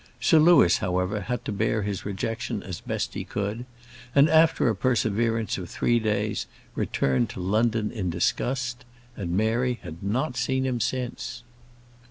Sir Louis, however, had to bear his rejection as best he could, and, after a perseverance of three days, returned to London in disgust; and Mary had not seen him since.